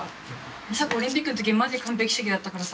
梨紗子オリンピックの時マジ完璧主義だったからさ。